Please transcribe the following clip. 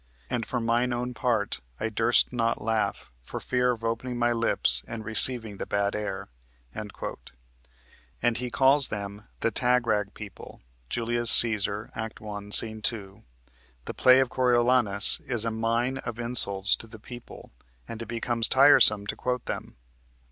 And for mine own part I durst not laugh, for fear of opening my lips and receiving the bad air." And he calls them the "tag rag people" (Julius Cæsar, Act 1, Sc. 2). The play of "Coriolanus" is a mine of insults to the people and it becomes tiresome to quote them.